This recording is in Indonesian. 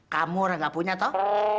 kamu orang gak punya toh